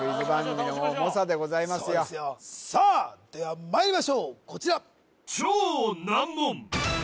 追いついてさあではまいりましょうこちら